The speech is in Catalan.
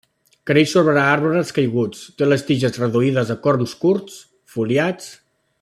Creix sobre arbres caiguts; té les tiges reduïdes a corms curts, foliats.